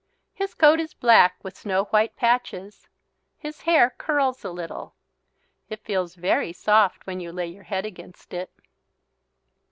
His coat is black with snow white patches. His hair curls a little. It feels very soft when you lay your head against it.